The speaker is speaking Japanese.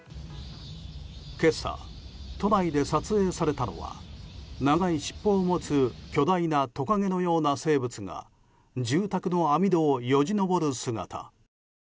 今朝、都内で撮影されたのは長い尻尾を持つ巨大なトカゲのような生物が住宅の網戸をよじ登る姿。